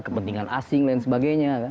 kepentingan asing dan sebagainya